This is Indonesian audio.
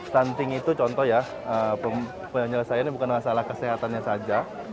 stunting itu contoh ya penyelesaiannya bukan masalah kesehatannya saja